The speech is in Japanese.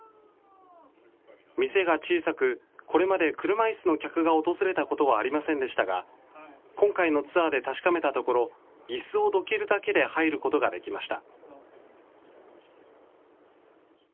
店が小さく、これまで車いすの客が訪れたことはありませんでしたが、今回のツアーで確かめたところ、いすをどけるだけで入ることができました。